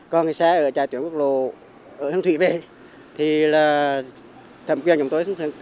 còn xe ở trại tuyến quốc lộ ở hương thụy về thì thẩm quyền chúng tôi không thể xử lý được